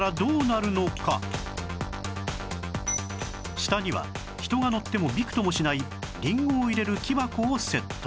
下には人が乗ってもびくともしないりんごを入れる木箱をセット